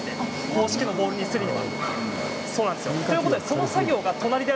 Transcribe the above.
公式のボールにするには。